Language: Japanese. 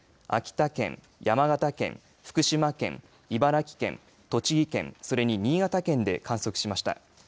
秋田県、山形県福島県、茨城県栃木県、それに新潟県で観測しました。